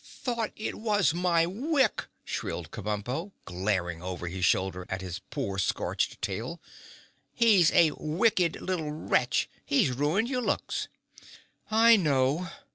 "Thought it was my Wick," shrilled Kabumpo, glaring over his shoulder at his poor scorched tail. "He's a wick ed little wretch. He's ruined your looks." "I know!"